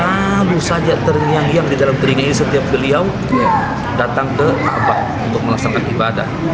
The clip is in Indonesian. sambu saja teringang tiang di dalam teringang ini setiap beliau datang ke kaabah untuk melaksanakan ibadah